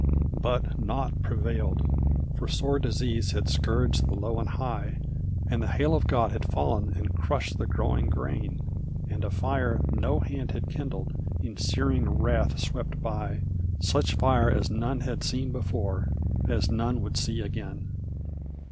But naught prevailed, for sore disease had scourged the low and high, And the hail of God had fallen and crushed the growing grain, And a fire no hand had kindled in searing wrath swept by Such fire as none had seen before as none would see again.